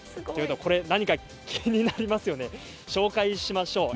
何か気になりますよね紹介しましょう。